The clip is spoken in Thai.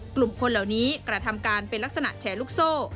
กลุ่มคนเหล่านี้กระทำการเป็นลักษณะแชร์ลูกโซ่